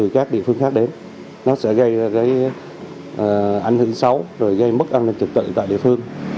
các địa phương khác đến nó sẽ gây ra ảnh hưởng xấu rồi gây mất an ninh trực tự tại địa phương